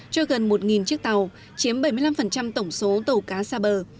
cho gần một chiếc tàu chiếm bảy mươi năm tổng số tàu cá xa bờ